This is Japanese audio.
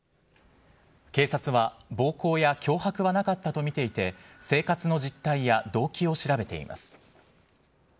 警察は暴行や脅迫はなかったと見ていて、生活の実態や動機を調べています。